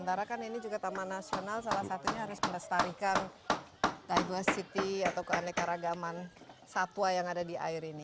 nah ini juga taman nasional salah satunya harus melestarikan taigua city atau keanekaragaman sapua yang ada di air ini